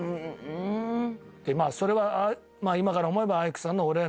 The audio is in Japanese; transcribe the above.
まあ、それは今から思えば、